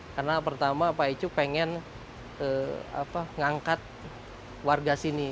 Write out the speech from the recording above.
karena pertama pak ezo pengen ngangkat warga sini